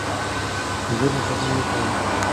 د زېرمو ساتنه يې کوله.